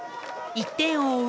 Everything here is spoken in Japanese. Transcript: １点を追う